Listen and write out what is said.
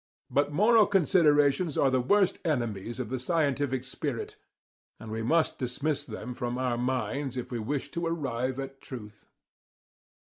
But moral considerations are the worst enemies of the scientific spirit and we must dismiss them from our minds if we wish to arrive at truth.